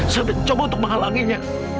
saya mencoba untuk menghalanginya